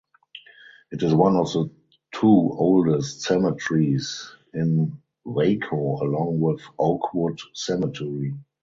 It is one of the two oldest cemeteries in Waco along with Oakwood Cemetery.